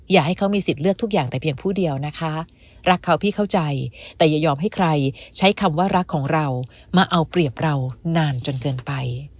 อยากให้เขามีสิทธิ์เลือกทุกอย่างแต่เพียงผู้เดียวนะคะรักเขาพี่เข้าใจแต่อย่ายอมให้ใครใช้คำว่ารักของเรามาเอาเปรียบเรานานจนเกินไป